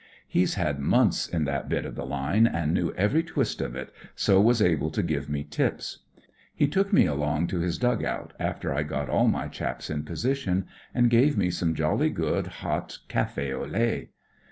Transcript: He's had months in that bit of the line, and knew every twist of it. so was able to give me tips. He took me along to his dug out, after I'd got all my chaps in position, and gave me some jolly good hot caf6 au lait.